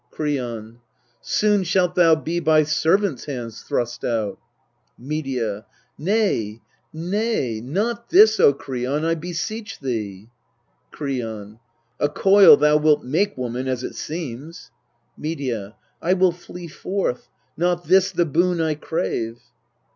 Kreon. Soon shalt thou be by servants' hands thrust out. Medea. Nay nay not this, O Kreon, I beseech thee ! Kreon. A coil thou wilt make, woman, as it seems. Medea. I will flee forth not this the boon I crave.